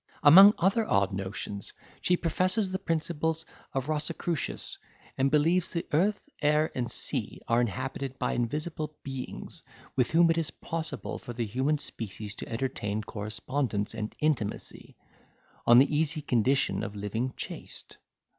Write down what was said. Among other odd notions, she professes the principles of Rosicrucius, and believes the earth, air, and sea, are inhabited by invisible beings, with whom it is possible for the human species to entertain correspondence and intimacy, on the easy condition of living chaste.